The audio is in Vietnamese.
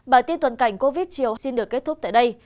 bài tin tuần cảnh covid một mươi chín xin được kết thúc tại đây